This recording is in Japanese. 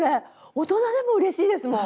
大人でもうれしいですもん。